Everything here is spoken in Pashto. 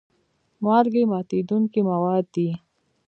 مالګې ماتیدونکي مواد دي.